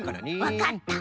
わかった。